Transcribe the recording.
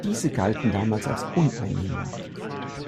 Diese galten damals als uneinnehmbar.